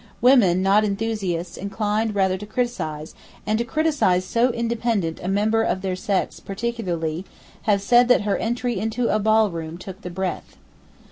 Women, not enthusiasts, inclined rather to criticize, and to criticize so independent a member of their sex particularly, have said that her entry into a ballroom took the breath.